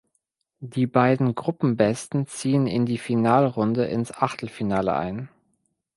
Die beiden Gruppenbesten ziehen in die Finalrunde ins Achtelfinale ein.